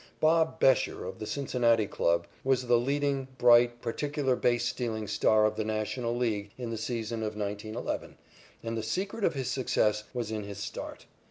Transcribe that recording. "Bob" Bescher of the Cincinnati club was the leading, bright, particular base stealing star of the National League in the season of 1911, and the secret of his success was in his start.